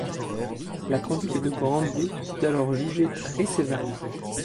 La conduite de Grandet fut alors jugée très sévèrement.